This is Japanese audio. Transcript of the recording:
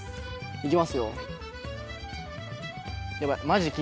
いきますよ。